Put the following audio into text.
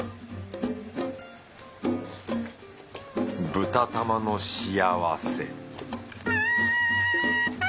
豚玉の幸せ